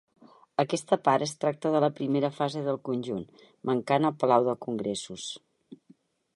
Aquesta part es tracta de la primera fase del conjunt, mancant el palau de congressos.